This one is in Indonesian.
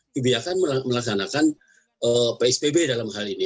kebijakan melaksanakan psbb dalam hal ini